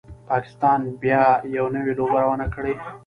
پاکستان بیا یوه نوي لوبه روانه کړي